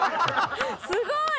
すごい。